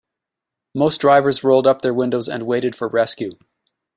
Most drivers rolled up their windows and waited for rescue.